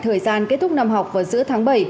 thời gian kết thúc năm học vào giữa tháng bảy